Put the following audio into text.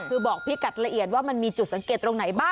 คือบอกพี่กัดละเอียดว่ามันมีจุดสังเกตตรงไหนบ้าง